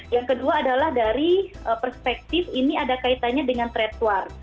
yang kedua adalah dari perspektif ini ada kaitannya dengan trade war